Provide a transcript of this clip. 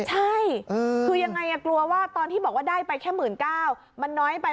ใช่คือยังไงกลัวว่าตอนที่บอกว่าได้ไปแค่๑๙๐๐มันน้อยไป